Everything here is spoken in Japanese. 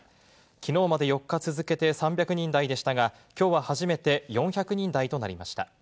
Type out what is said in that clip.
きのうまで４日続けて３００人台でしたが、きょうは初めて４００人台となりました。